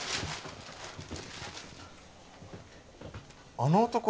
あの男